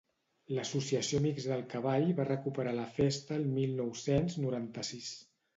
L'Associació Amics del Cavall va recuperar la festa el mil nou-cents noranta-sis.